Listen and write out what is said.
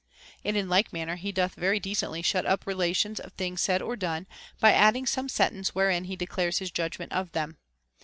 § And in like manner he doth very decently shut up rela tions of things said or done, by adding some sentence wherein he declares his judgment of them.